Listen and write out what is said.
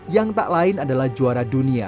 yang tak lain adalah juara dunia